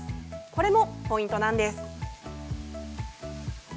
これもポイントなんです。